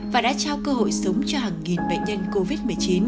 và đã trao cơ hội sống cho hàng nghìn bệnh nhân covid một mươi chín